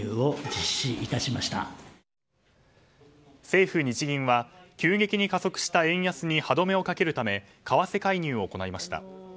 政府・日銀は急激に加速した円安に歯止めをかけるため為替介入を行いました。